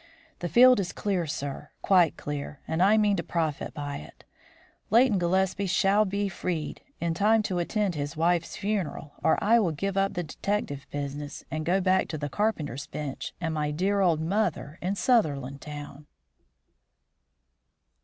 The field is clear, sir, quite clear; and I mean to profit by it. Leighton Gillespie shall be freed in time to attend his wife's funeral or I will give up the detective business and go back to the carpenter's bench and my dear old mother in Sutherlandtown."